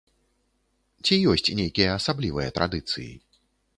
Ці ёсць нейкія асаблівыя традыцыі?